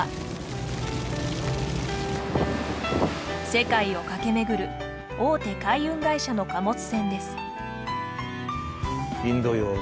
世界を駆け巡る大手海運会社の貨物船です。